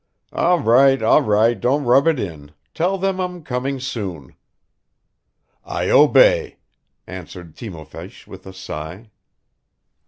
"All right, all right, don't rub it in. Tell them I'm coming soon." "I obey," answered Timofeich with a sigh.